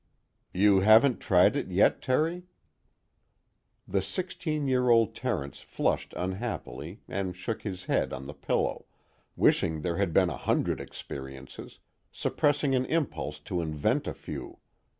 "You haven't tried it yet, Terry?" The sixteen year old Terence flushed unhappily and shook his head on the pillow, wishing there had been a hundred experiences, suppressing an impulse to invent a few.